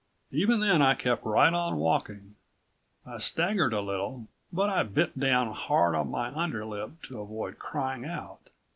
Even then I kept right on walking. I staggered a little but I bit down hard on my underlip to avoid crying out.